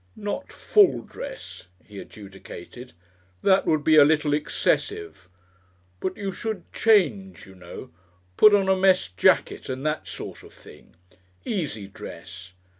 "Not full dress," he adjudicated; "that would be a little excessive. But you should change, you know. Put on a mess jacket and that sort of thing easy dress.